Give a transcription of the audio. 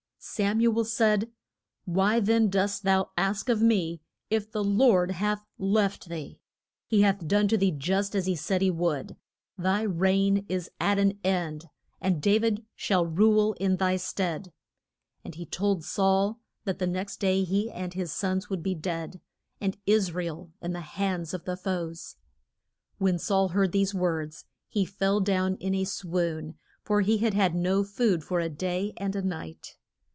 Sam u el said, Why then dost thou ask of me if the Lord hath left thee? He hath done to thee just as he said he would. Thy reign is at an end, and Da vid shall rule in thy stead. And he told Saul that the next day he and his sons would be dead, and Is ra el in the hands of the foes. When Saul heard these words he fell down in a swoon, for he had had no food for a day and a night.